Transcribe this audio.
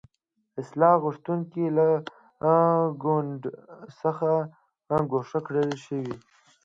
اصلاح غوښتونکي له ګوند څخه ګوښه کړل شو.